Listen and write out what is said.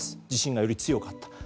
地震がより強かった。